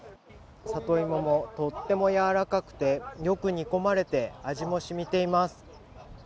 里芋もとってもやわらかくて、よく煮込まれて、味も染みています。